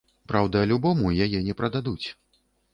Праўда, любому яе не прададуць.